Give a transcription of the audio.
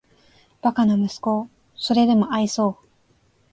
バカな息子をーーーーそれでも愛そう・・・